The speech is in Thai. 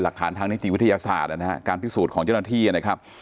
หลักฐานทางนิตยาศาสตร์การพิสูจน์ของเจ้าหน้าที่นะครับ